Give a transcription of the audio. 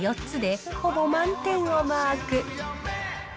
４つでほぼ満点をマーク。